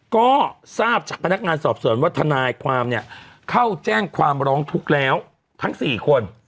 ก็ทราบจากพนักงานสอบสวนว่าทนายความเนี่ยเข้าแจ้งความร้องทุกข์แล้วทั้ง๔คน